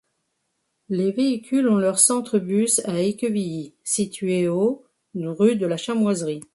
Les véhicules ont leur centre-bus à Ecquevilly, situé au rue de la Chamoiserie.